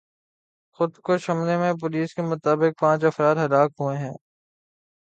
خودکش حملے میں پولیس کے مطابق پانچ افراد ہلاک ہوئے ہیں